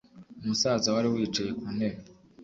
Umusaza wari wicaye ku ntebe